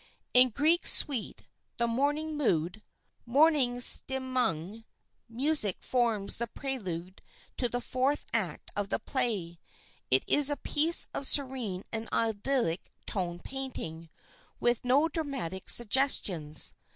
'" In Grieg's suite, the "Morning Mood" (Morgenstimmung) music forms the prelude to the fourth act of the play. It is a piece of serene and idyllic tone painting, with no dramatic suggestions.